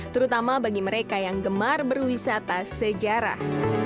terutama bagi mereka yang gemar berwisata sejarah